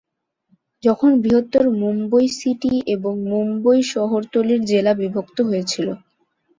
যখন বৃহত্তর মুম্বই সিটি এবং মুম্বই শহরতলির জেলা বিভক্ত হয়েছিল।